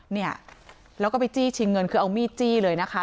เนี่ยแล้วก็ไปจี้ชิงเงินคือเอามีดจี้เลยนะคะ